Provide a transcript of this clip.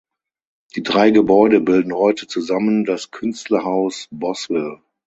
Die drei Gebäude bilden heute zusammen das Künstlerhaus Boswil.